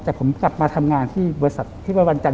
แต่ผมกลับมาทำงานที่บริษัทที่ไปวันจันท